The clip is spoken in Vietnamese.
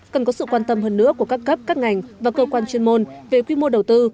cần có sự quan tâm hơn nữa của các cấp các ngành và cơ quan chuyên môn về quy mô đầu tư